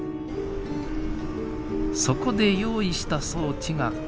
そこで用意した装置がこちら。